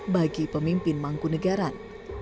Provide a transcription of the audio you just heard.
bagi pemimpin mangku negaran